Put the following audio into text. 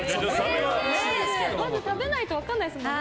まず食べないと分からないですもんね。